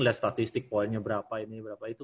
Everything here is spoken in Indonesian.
lihat statistik poinnya berapa ini berapa itu